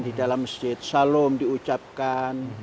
di dalam masjid salom di ucapkan